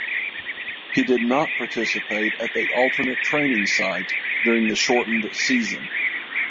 He did not participate at the alternate training site during the shortened season.